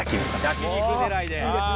焼肉狙いで。